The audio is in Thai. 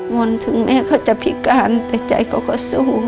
อนถึงแม่เขาจะพิการแต่ใจเขาก็สู้